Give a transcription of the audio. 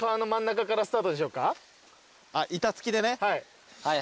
板つきでね。